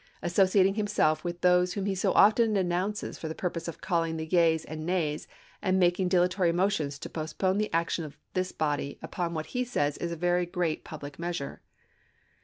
. associating himself with those whom he so often denounces for the purpose of calling the yeas and nays and making dilatory motions to postpone the action of this body upon "Globe," ,.,..,.„ Feb. 25, what he says is a very great public measure."